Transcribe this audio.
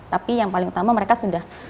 tapi yang paling utama mereka sudah